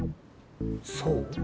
そう？